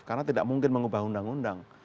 karena tidak mungkin mengubah undang undang